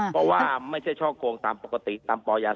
เพราะว่าไม่ใช่ช่อกลงตามปกติตามปย๓๔๑นะครับ